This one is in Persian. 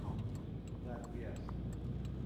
ضروری است!